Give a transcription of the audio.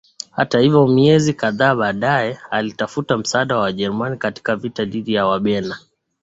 Hata hivyo miezi kadhaa baadaye alitafuta msaada wa Wajerumani katika vita dhidi ya Wabena